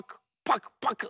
パクパク。